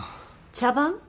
茶番？